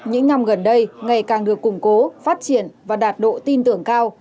những năm gần đây ngày càng được củng cố phát triển và đạt độ tin tưởng cao